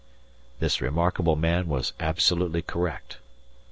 This remarkable man was absolutely correct.